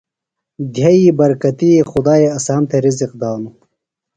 دھئی برکتیۡ خدائی اسام تھےۡ رزق دانوۡ۔